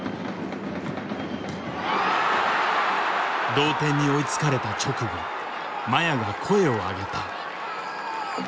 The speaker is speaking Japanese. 同点に追いつかれた直後麻也が声を上げた。